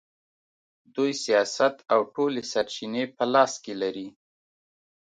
دوی سیاست او ټولې سرچینې په لاس کې لري.